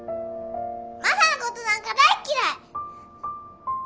マサのことなんか大嫌い！